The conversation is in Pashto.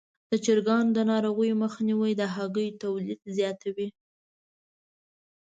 د چرګانو د ناروغیو مخنیوی د هګیو تولید زیاتوي.